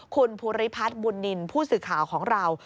คุณภูริพัฒน์บุญนินทร์ผู้สื่อข่าวของเรา